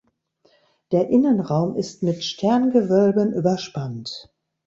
Der Innenraum ist mit Sterngewölben überspannt.